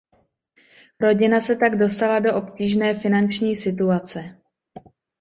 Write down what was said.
Rodina se tak dostala do obtížné finanční situace.